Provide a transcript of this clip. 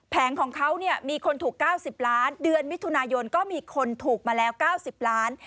ของเขาเนี่ยมีคนถูก๙๐ล้านเดือนมิถุนายนก็มีคนถูกมาแล้ว๙๐ล้าน